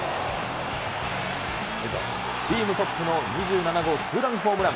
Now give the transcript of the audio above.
チームトップの２７号ツーランホームラン。